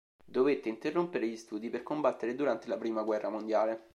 Dovette interrompere gli studi per combattere durante la prima guerra mondiale.